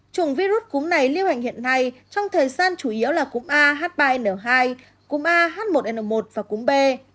chủng virus cúm này lưu hành hiện nay trong thời gian chủ yếu là cúm ah ba n hai cúm ah một n một và cúm b